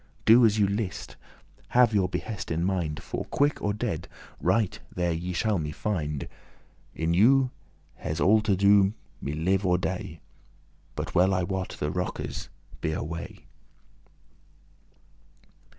Do as you list, have your behest in mind, For, quick or dead, right there ye shall me find; In you hes all to *do me live or dey;* *cause me to But well I wot the rockes be away."